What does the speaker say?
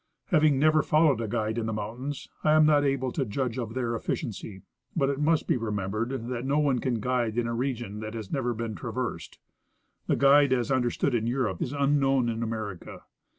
Having never followed a guide in the mountains, I am not able to judge of their efficiency, but it must be remembered that no one can guide in a region that has never been traversed. The " guide " as understood in Europe is unknown in America.